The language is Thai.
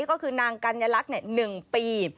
ก็คือนางกัญลักษณ์๑ปี